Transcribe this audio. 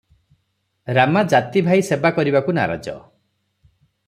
ରାମା ଜାତି ଭାଇ ସେବା କରିବାକୁ ନାରାଜ ।